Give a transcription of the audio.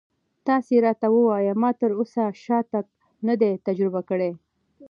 تاسې راته ووایئ ما تراوسه شاتګ نه دی تجربه کړی.